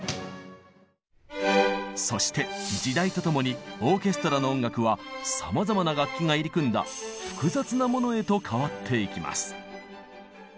そして時代と共にオーケストラの音楽はさまざまな楽器が入り組んだ複雑なものへと変わっていきます。